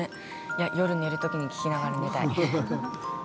夜、寝る時に聴きながら寝たい。